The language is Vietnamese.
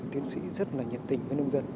tiến sĩ rất là nhiệt tình với nông dân